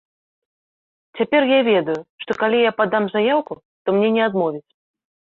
Цяпер я ведаю, што калі я падам заяўку, то мне не адмовяць.